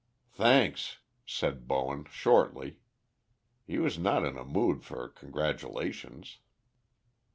"Thanks," said Bowen, shortly. He was not in a mood for congratulations.